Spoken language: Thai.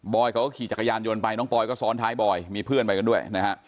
เขาก็ขี่จักรยานยนต์ไปน้องปอยก็ซ้อนท้ายบอยมีเพื่อนไปกันด้วยนะฮะ